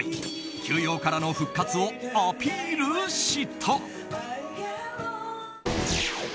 休養からの復活をアピールした。